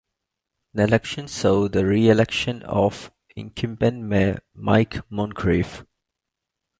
The election saw the reelection of incumbent mayor Mike Moncrief.